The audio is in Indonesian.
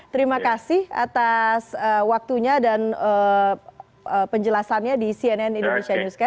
terima kasih atas waktunya dan penjelasannya di cnn indonesia newscast